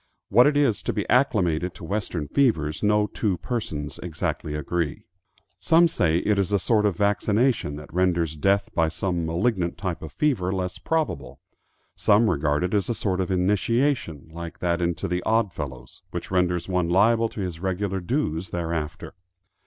What it is to be acclimated to western fevers no two persons exactly agree. Some say it is a sort of vaccination that renders death by some malignant type of fever less probable. Some regard it as a sort of initiation, like that into the Odd Fellows, which renders one liable to his regular dues thereafter.